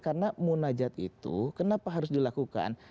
karena munajat itu kenapa harus dilakukan